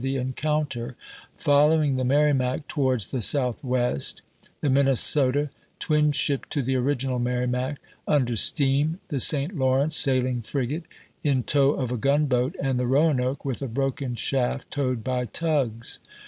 the encounter, following the Merrimac towards the p s ' southwest — the Minnesota (twin ship to the original Merrimac) under steam, the St. Lawrence, sailing frigate, in tow of a gunboat, and the Boanoke, with. a broken shaft, towed by tugs.